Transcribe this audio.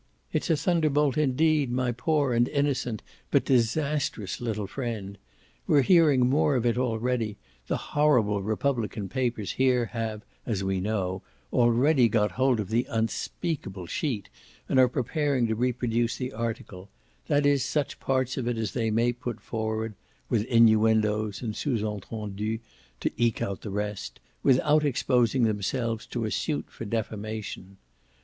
It's a thunderbolt indeed, my poor and innocent but disastrous little friend! We're hearing more of it already the horrible Republican papers here have (AS WE KNOW) already got hold of the unspeakable sheet and are preparing to reproduce the article: that is such parts of it as they may put forward (with innuendoes and sous entendus to eke out the rest) without exposing themselves to a suit for defamation.